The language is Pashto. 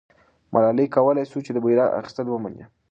ملالۍ کولای سوای چې د بیرغ اخیستل ومني.